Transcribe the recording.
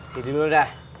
tidur dulu dah